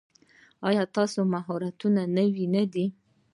ایا ستاسو مهارتونه نوي نه دي؟